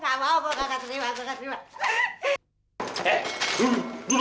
gak mau gue gak keterima gue gak keterima